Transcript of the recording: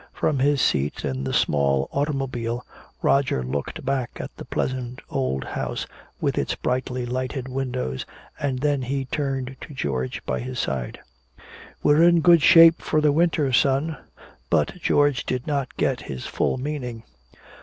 From his seat in the small automobile Roger looked back at the pleasant old house with its brightly lighted windows, and then he turned to George by his side: "We're in good shape for the winter, son." But George did not get his full meaning.